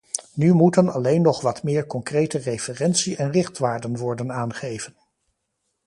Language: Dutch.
Nu moeten alleen nog wat meer concrete referentie- en richtwaarden worden aangeven.